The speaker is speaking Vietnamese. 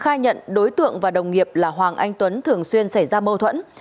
khai nhận đối tượng và đồng nghiệp là hoàng anh tuấn thường xuyên xảy ra mâu thuẫn